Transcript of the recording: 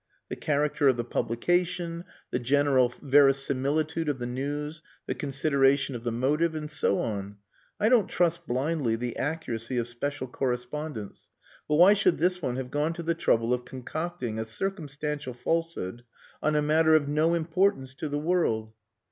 The character of the publication, the general verisimilitude of the news, the consideration of the motive, and so on. I don't trust blindly the accuracy of special correspondents but why should this one have gone to the trouble of concocting a circumstantial falsehood on a matter of no importance to the world?"